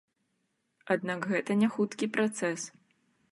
Аднак гэта няхуткі працэс.